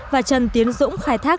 và trần tiến dũng khai thác